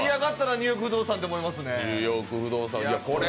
「ニューヨーク不動産」って思いましたね。